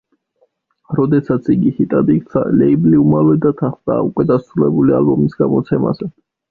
როდესაც იგი ჰიტად იქცა, ლეიბლი უმალვე დათანხმდა უკვე დასრულებული ალბომის გამოცემაზე.